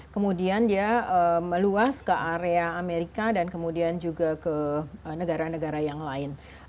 kemudian dia meluas ke area amerika dan kemudian juga ke negara negara yang lain